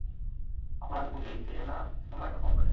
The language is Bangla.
আপনার হাতে পুরী খেয়ে না একদম মায়ের কথা মনে পড়ে যায়।